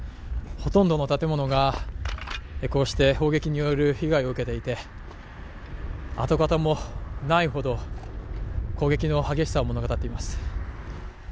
ほとんどの建物がこうして砲撃による被害を受けていて跡形もないほど攻撃の激しさを物語っています。